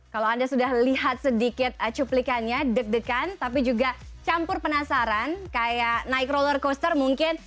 kalau anda sudah lihat sedikit cuplikannya deg degan tapi juga campur penasaran kayak naik roller coaster mungkin